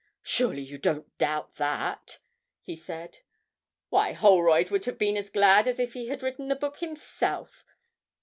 'Surely you don't doubt that!' he said; 'why, Holroyd would have been as glad as if he had written the book himself.